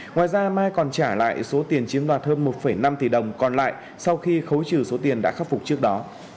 ngoài ra mai còn trả lại số tiền chiếm đoạt hơn một năm tỷ đồng còn lại sau khi khấu trừ số tiền đã khắc phục trước đó